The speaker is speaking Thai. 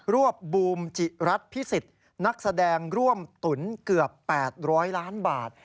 วบูมจิรัตนพิสิทธิ์นักแสดงร่วมตุ๋นเกือบ๘๐๐ล้านบาท